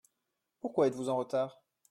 Pourquoi êtes-vous en retard ?